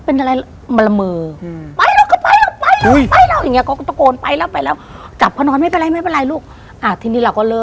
เป็นลอยแบบแดงลอยเด็กอ่ะ